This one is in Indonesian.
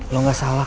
lu gak salah